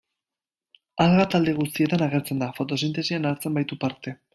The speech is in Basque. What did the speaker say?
Alga talde guztietan agertzen da, fotosintesian hartzen baitu parte.